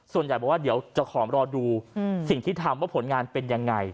ส่วนใหญ่บอกว่าเดี๋ยวจะขอรอดูสิ่งที่ทำว่าผลงานเป็นยังไง